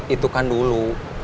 itu kan dulu